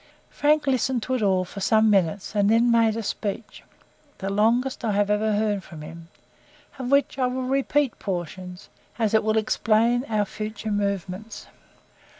Frank listened to it all for some minutes, and then made a speech, the longest I ever heard from him, of which I will repeat portions, as it will explain our future movements.